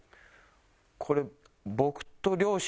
これ。